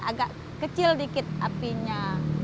agak kecil sedikit apinya